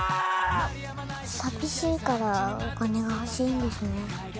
寂しいからお金が欲しいんですね。